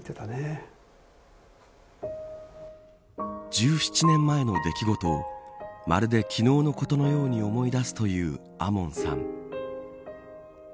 １７年前の出来事をまるで昨日のことのように思い出すという亞門さん。